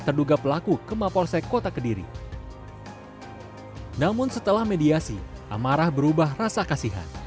terduga pelaku ke mapolsek kota kediri namun setelah mediasi amarah berubah rasa kasihan